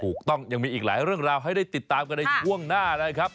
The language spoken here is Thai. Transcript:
ยังมีอีกหลายเรื่องราวให้ได้ติดตามกันในช่วงหน้านะครับ